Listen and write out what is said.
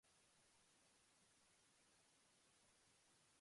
I know that your brother is the best student in the school.